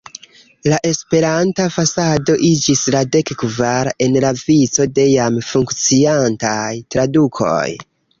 La Esperanta fasado iĝis la dek-kvara en la vico de jam funkciantaj tradukoj.